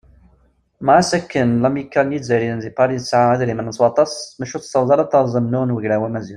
Ma ɣas akken lamikkal n yizzayriyen di Pari tesɛa idrimen s waṭas, maca ur tessaweḍ ara ad teṛṛez amennuɣ n Ugraw Amaziɣ.